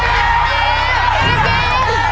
ตามด้วยหนุ่มพ่นลูก